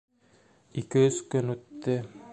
Ике-өс көн үтте.